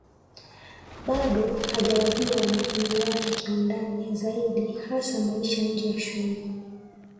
Bado hajawajua wanafunzi wake kiundani zaidi hasa maisha nje ya shule